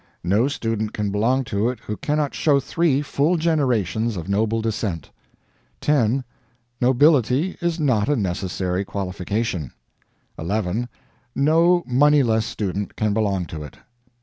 No student can belong to it who cannot show three full generations of noble descent. 10. Nobility is not a necessary qualification. 11. No moneyless student can belong to it.